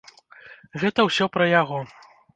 Гэта ўсё пра яго.